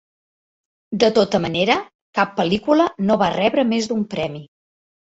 De tota manera, cap pel·lícula no va rebre més d'un premi.